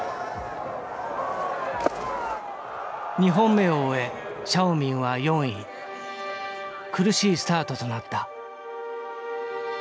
２本目を終えシャオミンは４位苦しいスタートとなった。